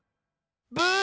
ブー！